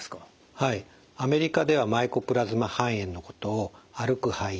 はいアメリカではマイコプラズマ肺炎のことを歩く肺炎